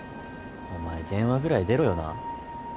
お前電話ぐらい出ろよな。